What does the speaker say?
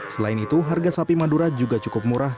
selain itu harga sapi madura juga cukup murah